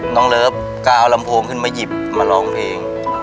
น้องเลิฟก็เอาลำโพงขึ้นมาหยิบมาร้องเพลง